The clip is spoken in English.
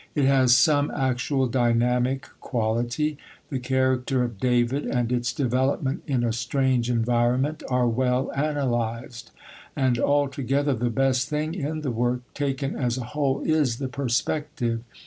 It has some actual dynamic quality. The character of David, and its development in a strange environment, are well analysed; and altogether the best thing in the work, taken as a whole, is the perspective.